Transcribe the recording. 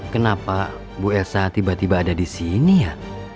kenapa bu elsa tiba tiba ada di sini ya